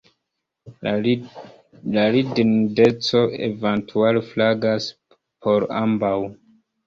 La ridindeco, eventuale, flagas por ambaŭ.